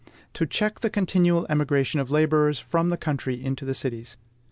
TO CHECK THE CONTINUAL EMIGRATION OF LABORERS FROM THE COUNTRY INTO THE CITIES.